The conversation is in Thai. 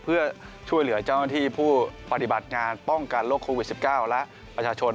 เพื่อช่วยเหลือเจ้าหน้าที่ผู้ปฏิบัติงานป้องกันโรคโควิด๑๙และประชาชน